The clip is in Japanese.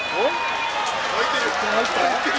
沸いてる。